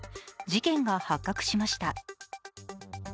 事件が発覚しました。